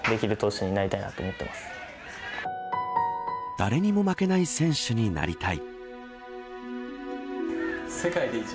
誰にも負けない選手になりたい。